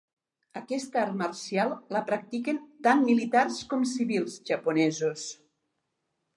Aquesta art marcial la practiquen tant militars com civils japonesos.